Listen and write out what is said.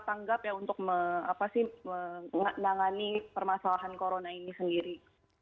tanggap ya untuk menangani permasalahan corona ini sendiri